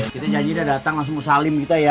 kita janji udah datang langsung salim kita ya